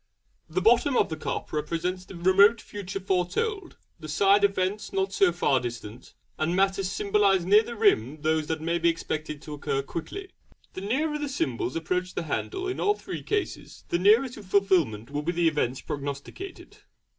'The bottom of the cup represents the remoter future foretold; the side events not so far distant; and matters symbolised near the rim those that may be expected to occur quickly. The nearer the symbols approach the handle in all three cases the nearer to fulfilment will be the events prognosticated.